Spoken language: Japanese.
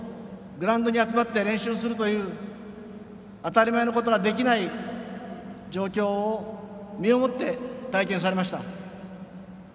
グラウンドに集まって練習をするという当たり前のことができない状況を身をもって体験されました。